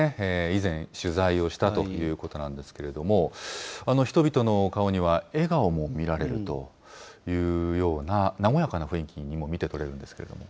以前、取材をしたということなんですけれども、人々の顔には笑顔も見られるというような、和やかな雰囲気にも見て取れるんですけれども。